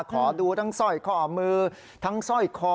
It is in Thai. ขอดูทั้งสร้อยข้อมือทั้งสร้อยคอ